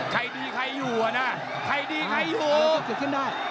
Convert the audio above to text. ใครดีใครอยู่อ่ะน่ะใครดีใครอยู่